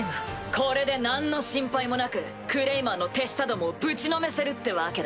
これで何の心配もなくクレイマンの手下どもをぶちのめせるってわけだ。